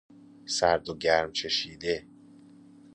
سردوگرم چشیده